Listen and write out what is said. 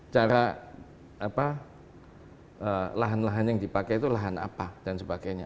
cara lahan lahan yang dipakai itu lahan apa dan sebagainya